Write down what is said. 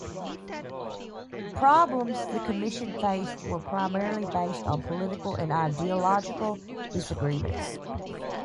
Problems the commission faced were primarily based on political and ideological disagreements.